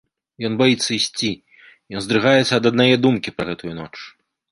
Ён баіцца ісці, ён здрыгаецца ад аднае думкі пра гэтую ноч.